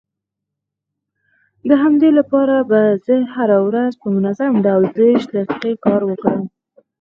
د همدې لپاره به زه هره ورځ په منظم ډول دېرش دقيقې کار وکړم.